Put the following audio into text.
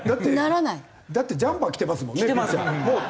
だってジャンパー着てますもんねピッチャー。